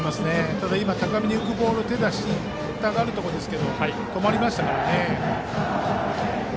ただ高めに浮くボール手を出しそうになりましたが止まりましたからね。